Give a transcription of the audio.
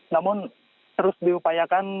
namun terus diupayakan